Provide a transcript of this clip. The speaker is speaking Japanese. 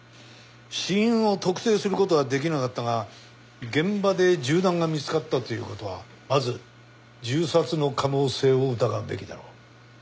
死因を特定する事はできなかったが現場で銃弾が見つかったという事はまず銃殺の可能性を疑うべきだろう。